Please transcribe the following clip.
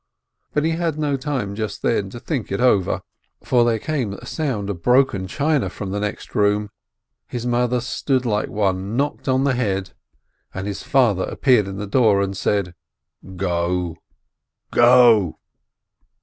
But he had no time just then to think it over, for there came a sound of broken china from the next room, his mother stood like one knocked on the head, and his father appeared in the door, and said : "Go